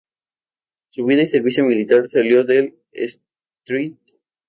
Su vida y servicio militar salió en el "St.